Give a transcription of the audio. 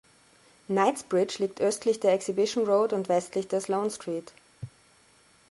Knightsbridge liegt östlich der Exhibition Road und westlich der Sloane Street.